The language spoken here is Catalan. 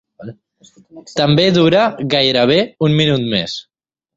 També dura gairebé un minut més.